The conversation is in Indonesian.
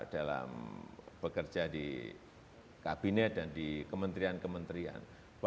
dalam bekerja di kabinet dan di kementerian kementerian